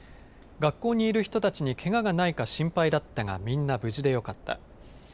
学校にいる人たちにけががないか心配だったがみんな無事でよかった。